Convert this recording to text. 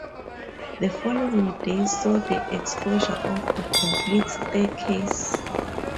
The following day saw the exposure of a complete staircase.